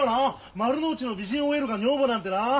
丸の内の美人ＯＬが女房なんてなあ。